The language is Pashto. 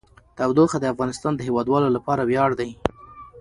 تودوخه د افغانستان د هیوادوالو لپاره ویاړ دی.